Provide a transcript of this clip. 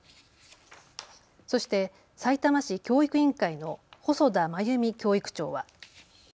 そしてさいたま市教育委員会の細田眞由美教育長は。